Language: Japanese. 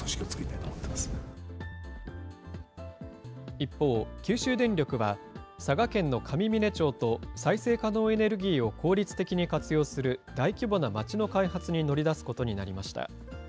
一方、九州電力は、佐賀県の上峰町と再生可能エネルギーを効率的に活用する大規模な街の開発に乗り出すことになりました。